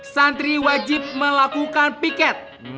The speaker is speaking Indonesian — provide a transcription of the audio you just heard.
santri wajib melakukan piket